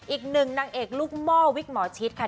อีกหนึ่งนางเอกลูกม่อวิตามรชิทธิ์